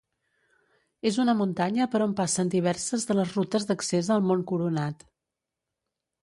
És una muntanya per on passen diverses de les rutes d'accés al Mont Coronat.